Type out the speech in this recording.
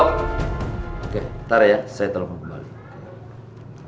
oke ntar ya saya tolong aku balik